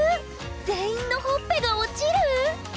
全員のほっぺが落ちる⁉